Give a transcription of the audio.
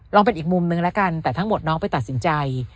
เป็นอีกมุมนึงแล้วกันแต่ทั้งหมดน้องไปตัดสินใจ